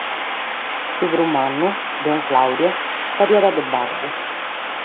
Su prus mannu, don Claudio, faghiat de babbu.